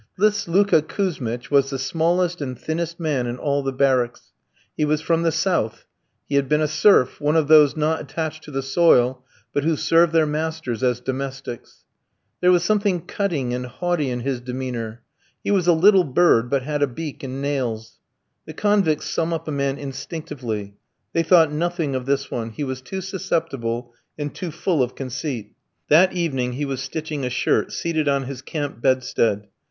This Luka Kouzmitch was the smallest and thinnest man in all the barracks. He was from the South. He had been a serf, one of those not attached to the soil, but who serve their masters as domestics. There was something cutting and haughty in his demeanour. He was a little bird, but had a beak and nails. The convicts sum up a man instinctively. They thought nothing of this one, he was too susceptible and too full of conceit. That evening he was stitching a shirt, seated on his camp bedstead.